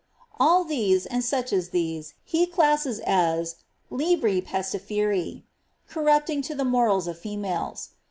'' All these, and such m these, he classes as libri pestiferi^* corrupting to the morals of temlei.